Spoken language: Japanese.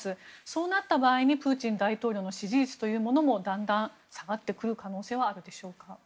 そうなった場合にプーチン大統領の支持率というものもだんだん下がってくる可能性はあるでしょうか。